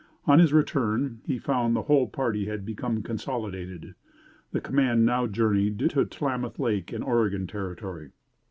On his return he found that the whole party had become consolidated. The command now journeyed to Tlamath Lake in Oregon Territory.